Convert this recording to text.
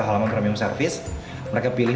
halaman premium service mereka pilih